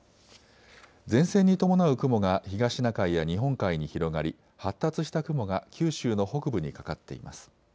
前線に伴う雲が東シナ海や日本海に広がり発達した雲が九州の北部にかかっています。